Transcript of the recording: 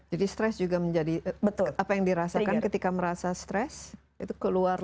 jadi stres juga menjadi apa yang dirasakan ketika merasa stres itu keluar